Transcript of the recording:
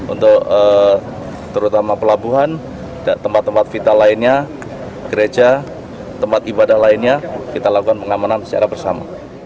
untuk terutama pelabuhan tempat tempat vital lainnya gereja tempat ibadah lainnya kita lakukan pengamanan secara bersama